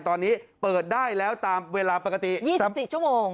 ตอนนี้เปิดได้แล้วตามเวลาปกติยี่สิบสิบชั่วโมง